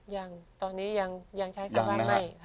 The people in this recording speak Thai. ยังตอนนี้ยังใช้คำว่าไม่